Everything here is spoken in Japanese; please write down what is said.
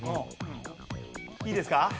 いいですか？